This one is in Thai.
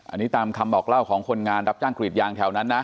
อันนี้ตามคำบอกเล่าของคนงานรับจ้างกรีดยางแถวนั้นนะ